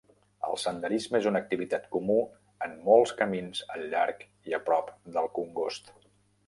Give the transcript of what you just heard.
El senderisme és una activitat comú amb molts camins al llarg i a prop del congost.